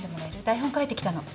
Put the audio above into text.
台本書いてきたの。